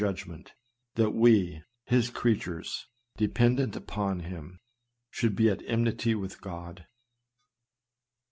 judgment — that we, his creatures, dependent upon him, should be at enmity with God